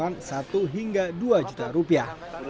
dapat keuntungan satu hingga dua juta rupiah